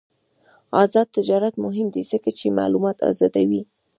آزاد تجارت مهم دی ځکه چې معلومات آزادوي.